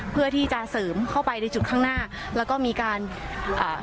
เพื่อที่จะเสริมเข้าไปในจุดข้างหน้าแล้วก็มีการอ่า